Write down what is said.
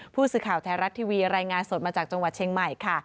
ผู้สื่อข่าวไทยรัฐทีวีรายงานสดมาจากจังหวัดเชียงใหม่ค่ะ